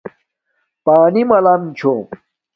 پانی مالم چھوم